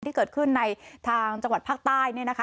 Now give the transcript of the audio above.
ที่เกิดขึ้นในทางจังหวัดภาคใต้เนี่ยนะคะ